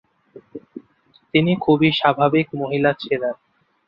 তিনি খুবই স্বাভাবিক মহিলা ছিলেন।